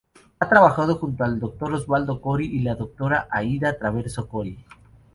Ha trabajado junto al Doctor Osvaldo Cori y la doctora Aída Traverso-Cori.